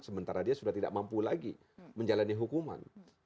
sementara dia sudah tidak mampu lagi menjalani hukuman